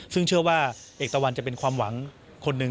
ซึ่งเชื่อว่าเอกตะวันจะเป็นความหวังคนหนึ่ง